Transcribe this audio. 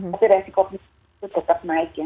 tapi resiko penyakit itu tetap naik ya